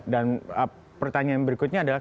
dan pertanyaan berikutnya adalah